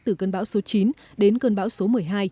từ cơn bão số chín đến cơn bão số một mươi hai